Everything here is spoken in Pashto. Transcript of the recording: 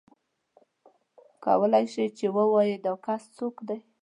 کولای شې چې ووایې دا کس څوک دی.